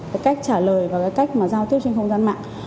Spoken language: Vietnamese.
cái cách trả lời và cái cách mà giao tiếp trên không gian mạng